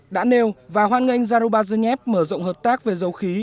đã nêu và hoan nghênh zarubazhnev mở rộng hợp tác về dầu khí